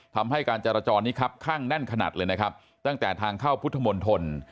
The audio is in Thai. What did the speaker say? ทำให้การจราจรนี้ครับข้างแน่นขนาดเลยนะครับตั้งแต่ทางเข้าพุทธมนตร